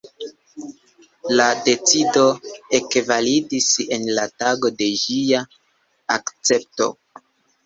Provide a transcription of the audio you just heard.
La decido ekvalidis en la tago de ĝia akcepto.